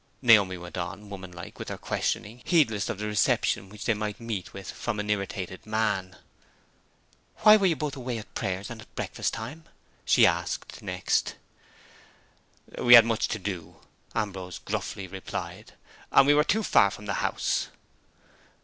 Naomi went on, woman like, with her questioning, heedless of the reception which they might meet with from an irritated man. "Why were you both away at prayers and breakfast time?" she asked next. "We had too much to do," Ambrose gruffly replied, "and we were too far from the house."